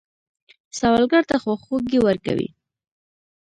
سوالګر ته خواخوږي ورکوئ